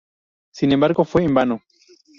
Sin embargo fue en vano.